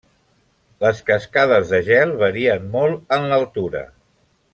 Les cascades de gel varien molt en l'altura.